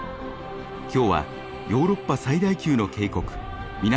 今日はヨーロッパ最大級の渓谷南